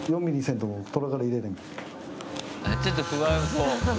ちょっと不安そう。